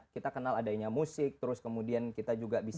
kita kenal adanya musik terus kemudian kita juga bisa